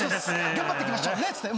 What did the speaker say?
頑張っていきましょうねっつって。